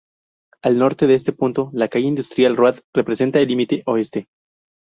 Al norte de este punto la calle "Industrial Road" representa el límite oeste.